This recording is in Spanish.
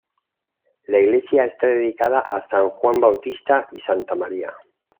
La iglesia está dedicada a san Juan Bautista y santa María.